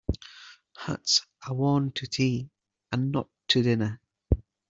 Hats are worn to tea and not to dinner.